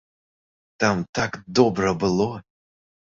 Там так добра было!